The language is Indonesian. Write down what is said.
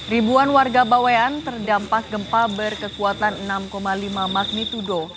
ribuan warga bawean terdampak gempa berkekuatan enam lima magnitudo